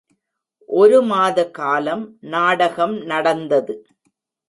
ஒரு மாத காலம் நாடகம் நடந்தது.